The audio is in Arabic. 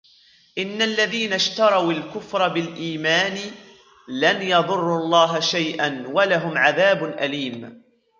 إِنَّ الَّذِينَ اشْتَرَوُا الْكُفْرَ بِالْإِيمَانِ لَنْ يَضُرُّوا اللَّهَ شَيْئًا وَلَهُمْ عَذَابٌ أَلِيمٌ